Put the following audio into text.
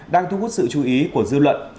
đang thu hút sự chú ý của dư luận